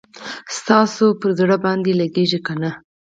ستا هم پر زړه باندي لګیږي کنه؟